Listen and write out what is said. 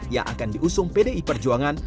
yang akan diusung pdi perjuangan